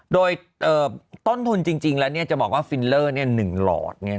โดยต้นทุนจริงแล้วจะบอกว่าฟิลเลอร์๑หลอด